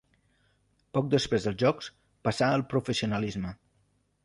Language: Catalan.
Poc després dels Jocs passà al professionalisme.